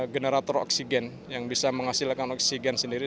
generator oksigen yang bisa menghasilkan oksigen sendiri